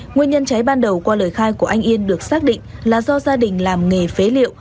nguyên nhân cháy ban đầu qua lời khai của anh yên được xác định là do gia đình làm nghề phế liệu